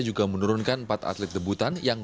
juga menurunkan empat atlet debutan yang